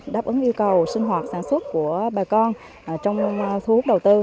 đáp ứng yêu cầu sinh hoạt sản xuất của bà con trong thu hút đầu tư